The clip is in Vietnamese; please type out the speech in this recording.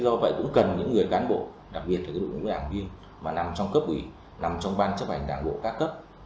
do vậy cũng cần những người cán bộ đặc biệt là đội ngũ đảng viên mà nằm trong cấp ủy nằm trong ban chấp hành đảng bộ các cấp